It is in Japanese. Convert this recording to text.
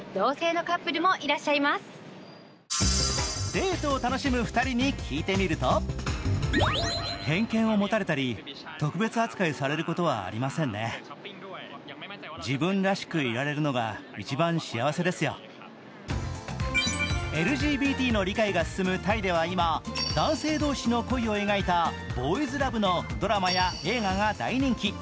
デートを楽しむ２人に聞いてみるとＬＧＢＴの理解が進むタイでは今、男性同士の恋を描いたボーイズラブのドラマや映画が大人気。